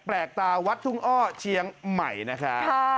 แปลกตาวัดทุ่งอ้อเชียงใหม่นะครับ